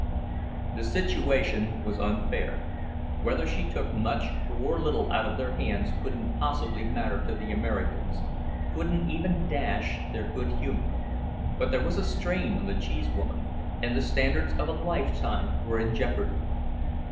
The situation was unfair. Whether she took much or little out of their hands, couldn't possibly matter to the Americans, couldn't even dash their good humour. But there was a strain on the cheesewoman, and the standards of a lifetime were in jeopardy.